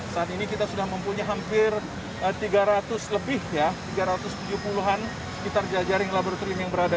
saat ini kita sudah mempunyai hampir tiga ratus lebih ya tiga ratus tujuh puluh an sekitar jajaring laboratorium yang berada